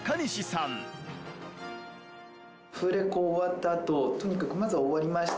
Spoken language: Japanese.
アフレコ終わったあととにかくまず「終わりました。